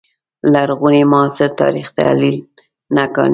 لرغوني معاصر تاریخ تحلیل نه کاندي